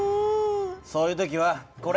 そういう時はこれ。